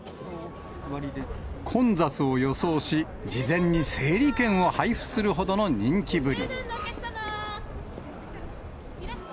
混雑を予想し、事前に整理券を配布するほどの人気ぶり。